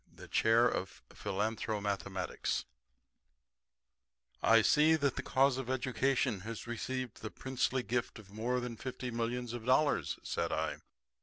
THE CHAIR OF PHILANTHROMATHEMATICS "I see that the cause of Education has received the princely gift of more than fifty millions of dollars," said I.